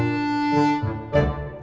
ya udah aku tunggu